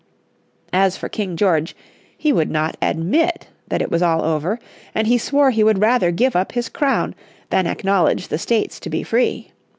As for King George, he would not admit that it was all over, and he swore he would rather give up his crown than acknowledge the States to be free.